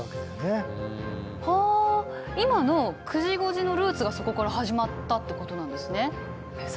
はあ今の９時５時のルーツがそこから始まったってことなんですね。